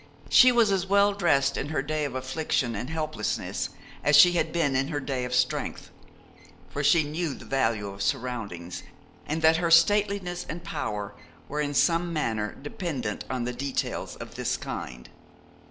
She was as well dressed in her day of affliction and helplessness as she had been in her day of strength; for she knew the value of surroundings, and that her stateliness and power were in some manner dependent on details of this kind.